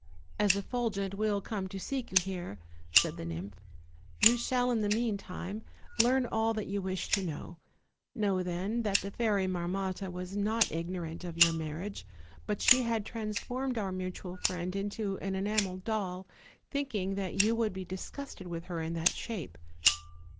"As Effulgent will come to seek you here," said the nymph, "you shall in the meantime learn all that you wish to know. Know, then, that the Fairy Marmotta was not ignorant of your marriage; but she had transformed our mutual friend into an enamel doll, thinkingthat you would tpe disgusted with her in that shape.